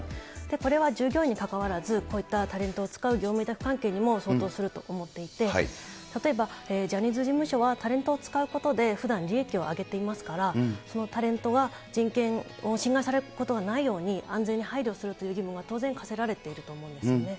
これは従業員に関わらず、こういったタレントを使う業務委託関係にも相当すると思っていて、例えばジャニーズ事務所はタレントを使うことでふだん利益を上げていますから、そのタレントは人権を侵害されることがないように、安全に配慮するという義務が当然課せられていると思うんですよね。